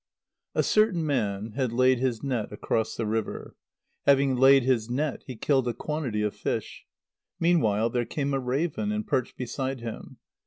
_ A certain man had laid his net across the river; having laid his net, he killed a quantity of fish. Meanwhile there came a raven, and perched beside him.